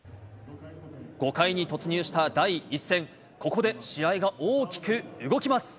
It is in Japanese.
５回に突入した第１戦、ここで試合が大きく動きます。